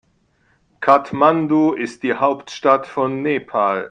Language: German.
Kathmandu ist die Hauptstadt von Nepal.